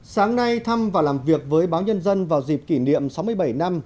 sáng nay thăm và làm việc với báo nhân dân vào dịp kỷ niệm sáu mươi bảy năm